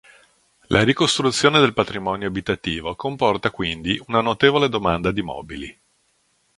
La ricostruzione del patrimonio abitativo comporta quindi una notevole domanda di mobili.